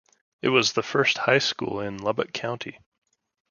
It was the first high school in Lubbock County.